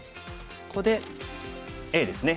ここでＡですね。